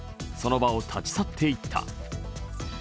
その場を立ち去っていった。